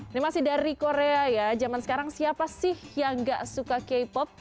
ini masih dari korea ya zaman sekarang siapa sih yang gak suka k pop